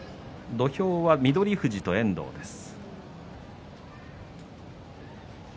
土俵は翠富士と遠藤です。